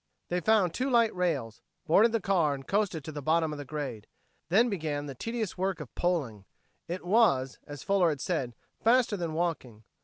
They found two light rails, boarded the car and coasted to the bottom of the grade. Then began the tedious work of poling. It was, as Fuller had said, faster than walking.